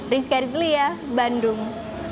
rizky rizli ya bandung